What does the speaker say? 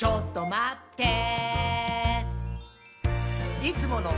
ちょっとまってぇー」